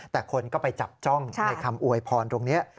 แต่คนก็ไปจับจ้องในคำอวยพรตรงนี้